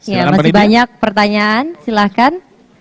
ya masih banyak pertanyaan silahkan